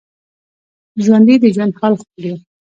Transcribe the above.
ژوندي د ژوند حال خوري